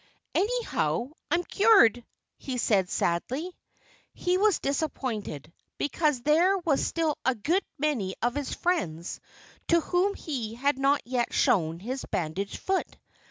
"Anyhow, I'm cured," he said sadly. He was disappointed, because there were still a good many of his friends to whom he had not yet shown his bandaged foot.